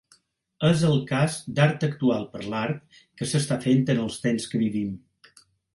És el cas d'art actual per l'art que s'està fent en els temps que vivim.